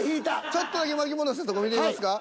ちょっとだけ巻き戻したとこ見てみますか？